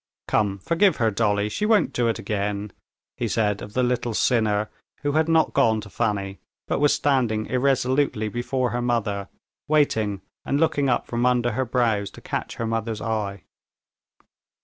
"Come, forgive her, Dolly, she won't do it again," he said of the little sinner, who had not gone to Fanny, but was standing irresolutely before her mother, waiting and looking up from under her brows to catch her mother's eye.